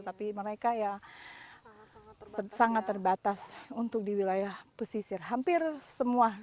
tapi mereka ya sangat terbatas untuk di wilayah pesisir hampir semua